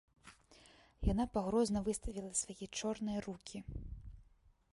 Яна пагрозна выставіла свае чорныя рукі.